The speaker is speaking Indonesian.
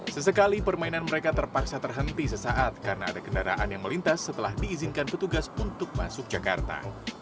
sesekali permainan mereka terpaksa terhenti sesaat karena ada kendaraan yang melintas setelah diizinkan petugas untuk masuk jakarta